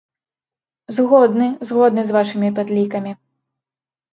Згодны, згодны з вашымі падлікамі!